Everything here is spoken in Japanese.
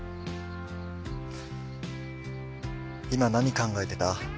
「今何考えてた？」